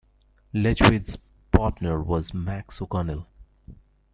Ledwidge's partner was Max O'Connell.